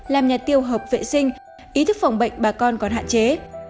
làm nhà tiêu hợp vệ sinh ý thức phòng bệnh bà con còn hạn chế